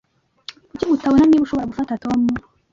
Kuki utabona niba ushobora gufasha Tom?